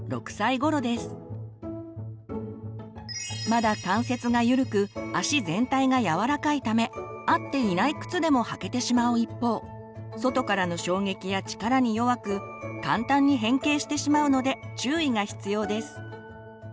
まだ関節がゆるく足全体がやわらかいため合っていない靴でも履けてしまう一方外からの衝撃や力に弱く簡単に変形してしまうので注意が必要です。